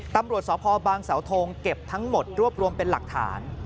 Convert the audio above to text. ตำรวจสพบางสาวทงเก็บทั้งหมดรวบรวมเป็นหลักฐาน